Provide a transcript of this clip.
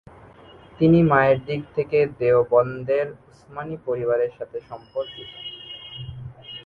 তিনি মায়ের দিক থেকে দেওবন্দের উসমানি পরিবারের সাথে সম্পর্কিত।